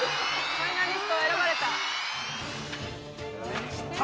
ファイナリスト選ばれた。